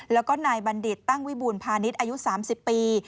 แล้วก็นายบัณฑิตตั้งวิบูรพาณิชย์อายุ๓๐ปี